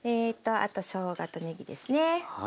あとしょうがとねぎですね。